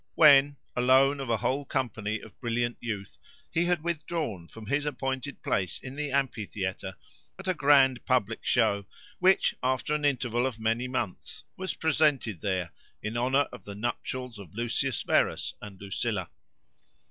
when, alone of a whole company of brilliant youth, he had withdrawn from his appointed place in the amphitheatre, at a grand public show, which after an interval of many months, was presented there, in honour of the nuptials of Lucius Verus and Lucilla.